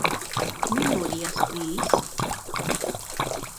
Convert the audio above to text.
Memorias, dis?